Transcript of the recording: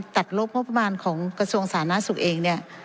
ลบงบประมาณของกระทรวงสาธารณสุขเองเนี่ย